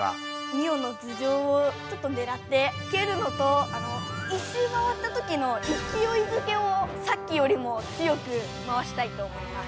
ミオの頭上をちょっとねらってけるのと１しゅう回ったときのいきおいづけをさっきよりも強く回したいと思います。